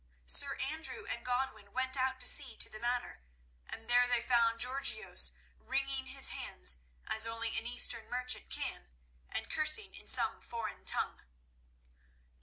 Sir Andrew and Godwin went out to see to the matter, and there they found Georgios wringing his hands, as only an Eastern merchant can, and cursing in some foreign tongue.